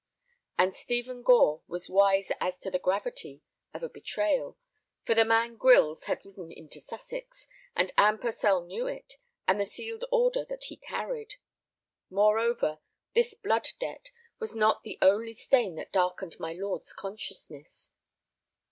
And Stephen Gore was wise as to the gravity of a betrayal, for the man Grylls had ridden into Sussex, and Anne Purcell knew it, and the sealed order that he carried. Moreover, this blood debt was not the only stain that darkened my lord's consciousness.